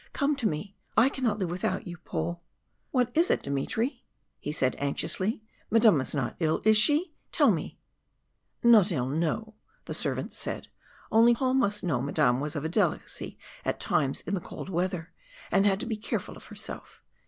Come to me, I cannot live without you, Paul." "What is it, Dmitry?" he said anxiously. "Madame is not ill, is she? Tell me " "Not ill oh no!" the servant said, only Paul must know Madame was of a delicacy at times in the cold weather, and had to be careful of herself.